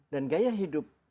dan gaya hidup